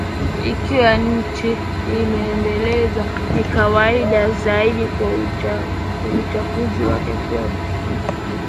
Ikiwa nchi imeendelezwa ni kawaida zaidi kwa uchafuzi wake kuwa mkubwa